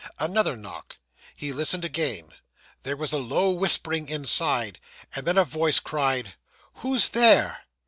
Another knock. He listened again. There was a low whispering inside, and then a voice cried 'Who's there?